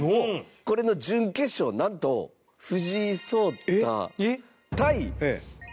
これの準決勝、なんと藤井聡太、対、永瀬拓矢。